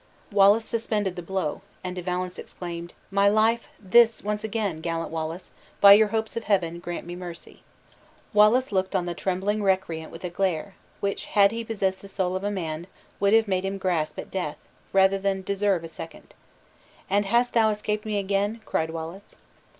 Wallace suspended the blow; and De Valence exclaimed: "My life! this once again, gallant Wallace! by your hopes of heaven, grant me mercy!" Wallace looked on the trembling recreant with a glare, which, had he possessed the soul of a man, would have made him grasp at death, rather than deserve a second. "And hast thou escaped me again?" cried Wallace.